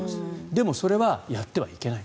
でも、それはやってはいけない。